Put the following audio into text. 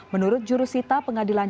menurut jurusita pengadilan